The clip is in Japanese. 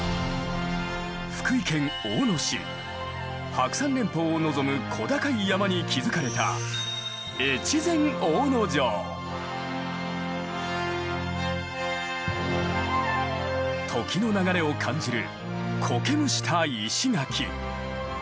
白山連峰を望む小高い山に築かれた時の流れを感じるこけむした石垣。